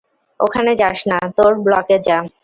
ওখানে যাস না, তোর ব্লকে যা।